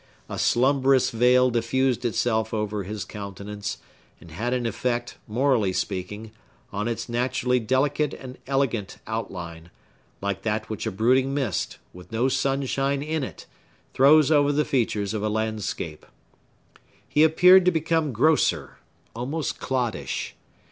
A slumberous veil diffused itself over his countenance, and had an effect, morally speaking, on its naturally delicate and elegant outline, like that which a brooding mist, with no sunshine in it, throws over the features of a landscape. He appeared to become grosser,—almost cloddish.